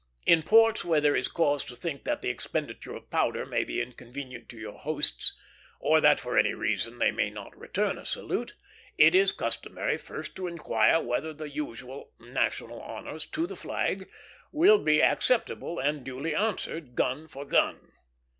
In ports where there is cause to think that the expenditure of powder may be inconvenient to your hosts, or that for any reason they may not return a salute, it is customary first to inquire whether the usual national honors "to the flag" will be acceptable and duly answered, gun for gun.